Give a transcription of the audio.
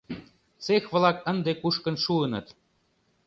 Цех-влак ынде кушкын шуыныт.